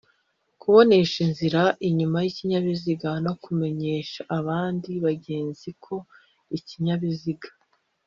kubonesha inzira inyuma y ikinyabiziga no kumenyesha abandi bagenzi ko ikinyabiziga